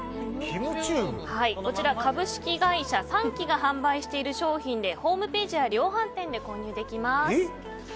こちら株式会社三輝が販売している商品でホームページや量販店で購入できます。